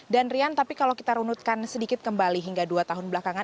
dan rian tapi kalau kita runutkan sedikit kembali hingga dua tahun belakangan